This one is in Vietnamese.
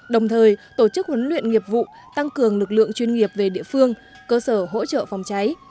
đồng thời tổ chức huấn luyện nghiệp vụ tăng cường lực lượng chuyên nghiệp về địa phương cơ sở hỗ trợ phòng cháy